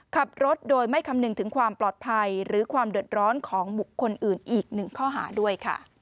ขับรถโดยไม่คำนึงถึงความปลอดภัยหรือความเดือดร้อนของบุคคลอื่นอีกหนึ่งข้อหาด้วยค่ะ